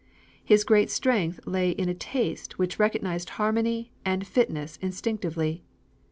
His great strength lay in a taste which recognized harmony and fitness instinctively.